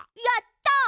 やった！